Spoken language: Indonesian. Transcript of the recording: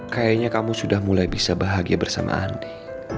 kayaknya kamu sudah mulai bisa bahagia bersama anda